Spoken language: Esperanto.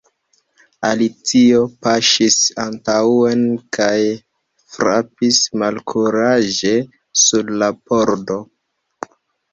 Alicio paŝis antaŭen kaj frapis malkuraĝe sur la pordo.